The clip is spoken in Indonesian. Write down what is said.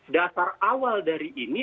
dasar awal dari ini